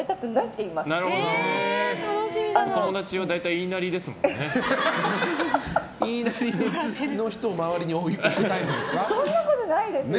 いいなりの人を周りに置いてるんですか？